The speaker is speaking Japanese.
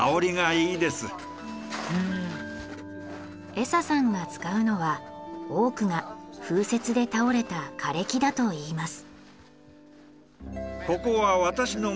エサさんが使うのは多くが風雪で倒れた枯れ木だといいます。